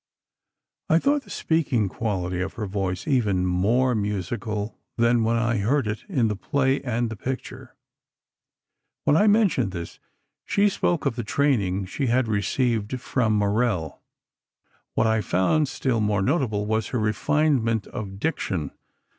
I thought the speaking quality of her voice even more musical than when I had heard it in the play and the picture. When I mentioned this, she spoke of the training she had received from Maurel. What I found still more notable was her refinement of diction.